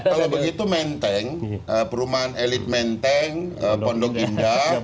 kalau begitu menteng perumahan elit menteng pondok indah